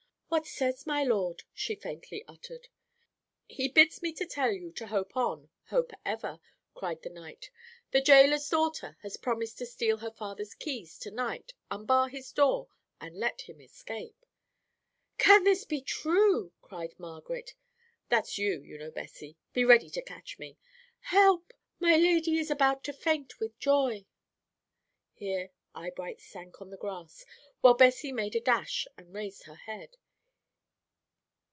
"'What says my lord?' she faintly uttered. "'He bids me to tell you to hope on, hope ever,' cried the knight; 'the jailer's daughter has promised to steal her father's keys to night, unbar his door, and let him escape.' "'Can this be true?' cried Margaret that's you, you know, Bessie be ready to catch me.'Help! my lady is about to faint with joy.'" Here Eyebright sank on the grass, while Bessie made a dash, and raised her head.